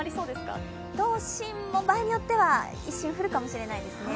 都心も場合によっては一瞬降るかもしれないですね。